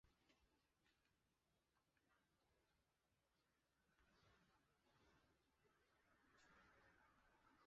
摩诃末把他的军队分散在锡尔河一线与中亚河中地区的各设防地区之间。